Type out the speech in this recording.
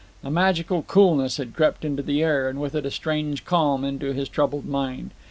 A magical coolness had crept into the air, and with it a strange calm into his troubled mind.